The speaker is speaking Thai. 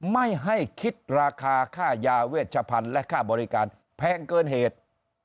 ไม่ให้คิดราคาค่ายาเวชพันธุ์และค่าบริการแพงเกินเหตุ